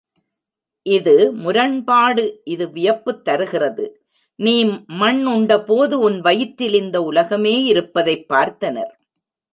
இது முரண்பாடு இது வியப்புத் தருகிறது. நீ மண்உண்டபோது உன் வயிற்றில் இந்த உலகமே இருப்பதைப் பார்த்தனர்.